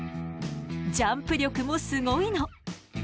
ジャンプ力もすごいの！